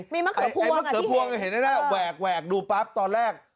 มีมะเขือพวงอ่ะมะเขือพวงอ่ะเห็นแน่แน่แน่แหวกแหวกดูปั๊บตอนแรก